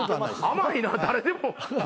甘いな誰でも。